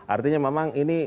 artinya memang ini